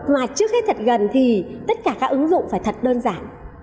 mà trước hết thật gần thì tất cả các ứng dụng phải thật đơn giản